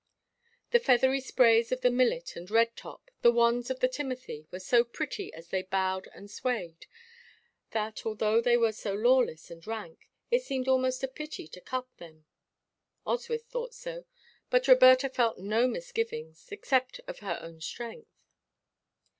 The feathery sprays of the millet and red top, the wands of the timothy were so pretty as they bowed and swayed that, although they were so lawless and rank, it seemed almost a pity to cut them. Oswyth thought so, but Roberta felt no misgivings except of her own strength.